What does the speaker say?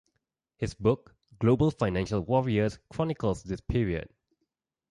His book "Global Financial Warriors" chronicles this period.